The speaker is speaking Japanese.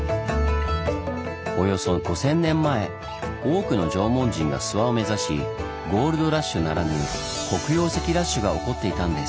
およそ５，０００年前多くの縄文人が諏訪を目指しゴールドラッシュならぬ黒曜石ラッシュが起こっていたんです。